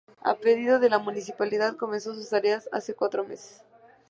A pedido de la municipalidad, comenzó su tarea hace cuatros meses.